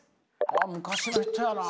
昔の人やな。